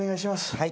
はい。